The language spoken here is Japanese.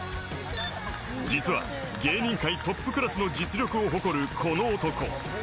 実は、芸人界トップクラスの実力を誇る、この男。